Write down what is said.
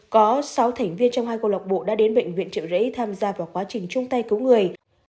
có sáu thành viên trong hai câu lọc bộ đã đến bệnh viện trợ rẫy tham gia vào quá trình chung tay cứu người